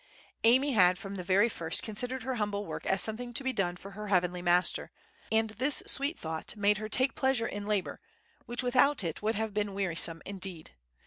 Amy had from the very first considered her humble work as something to be done for her Heavenly Master, and this sweet thought made her take pleasure in labor, which without it would have been wearisome indeed.